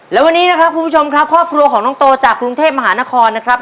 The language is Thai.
และวันนี้นะครับคุณผู้ชมครับครอบครัวของน้องโตจากกรุงเทพมหานครนะครับ